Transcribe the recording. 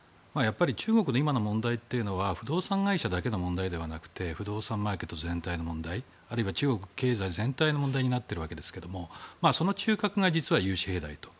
中国の今の問題というのは不動産会社の問題だけではなくて不動産マーケット全体の問題あるいは中国経済全体の問題になっているわけですがその中核が実は融資平台だと。